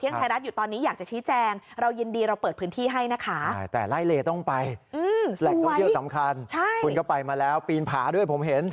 นั่นจุดเริ่มต้นเลย